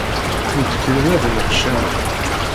Mi d-kkren, ad nneḥcamen.